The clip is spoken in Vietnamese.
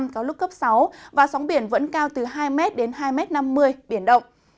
có lúc cấp sáu và sóng biển vẫn cao từ hai m đến hai m năm mươi biển động